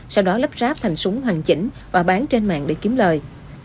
sau đó lắp ráp thành súng hoàn chỉnh và bán trên mạng để kiếm lời